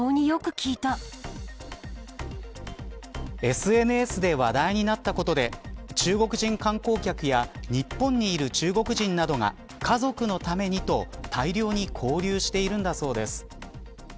ＳＮＳで話題になったことで中国人観光客や日本にいる中国人などが家族のためにと大量に購入しているんだそうです。